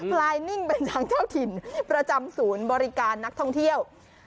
คลายนิ่งเป็นทางเจ้าถิ่นประจำศูนย์บริการนักท่องเที่ยว